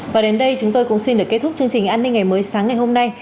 và đến đây chúng tôi cũng xin được kết thúc chương trình an ninh ngày mới sáng ngày hôm nay